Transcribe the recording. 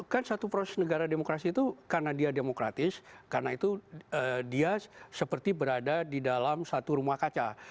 kan satu proses negara demokrasi itu karena dia demokratis karena itu dia seperti berada di dalam satu rumah kaca